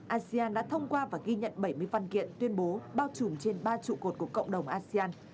asean đã thông qua và ghi nhận bảy mươi văn kiện tuyên bố bao trùm trên ba trụ cột của cộng đồng asean